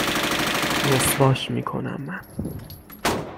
رسواش میکنم من